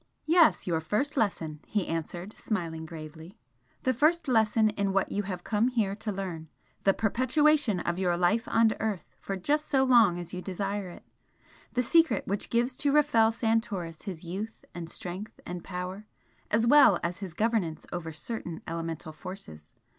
"Yes! your first lesson!" he answered, smiling gravely "The first lesson in what you have come here to learn, the perpetuation of your life on earth for just so long as you desire it the secret which gives to Rafel Santoris his youth and strength and power, as well as his governance over certain elemental forces.